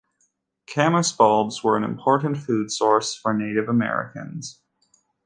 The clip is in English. Camas bulbs were an important food source for Native Americans.